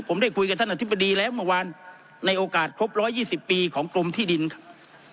ผมได้คุยกับท่านอธิบดีแล้วเมื่อวานในโอกาสครบ๑๒๐ปีของกรมที่ดินครับ